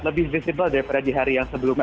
lebih visible daripada di hari yang sebelumnya